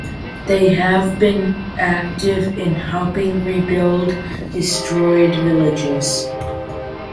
They have been active in helping rebuild destroyed villages.